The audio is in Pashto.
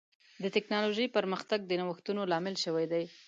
د ټکنالوجۍ پرمختګ د نوښتونو لامل شوی دی.